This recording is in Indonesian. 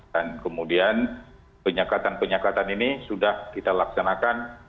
dan kemudian penyekatan penyekatan ini sudah kita laksanakan